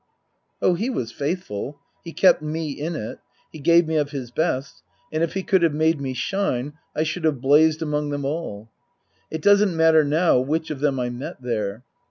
Oh, he was faithful ; he kept me in it ; he gave me of his best; and if he could have made me shine I should have blazed among them all. It doesn't matter now which of them I met there.